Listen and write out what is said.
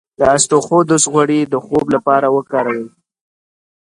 د اسطوخودوس غوړي د خوب لپاره وکاروئ